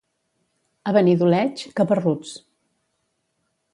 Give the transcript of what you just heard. A Benidoleig, caparruts.